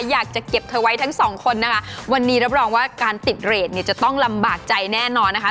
อยากจะเก็บเธอไว้ทั้งสองคนนะคะวันนี้รับรองว่าการติดเรทเนี่ยจะต้องลำบากใจแน่นอนนะคะ